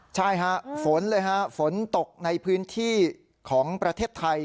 ใช่ฮะฝนเลยฮะฝนตกในพื้นที่ของประเทศไทย